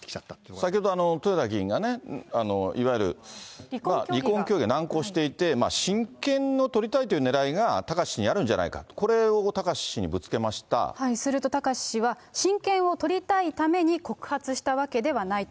先ほど、豊田議員がいわゆる離婚協議が難航していて、親権を取りたいというねらいが貴志氏にあるんじゃないか、これをすると貴志氏は、親権を取りたいために告発したわけではないと。